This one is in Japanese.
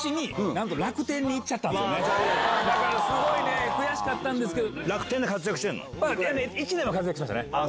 だからすごいね悔しかったんですけど。